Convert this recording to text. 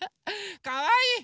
かわいい！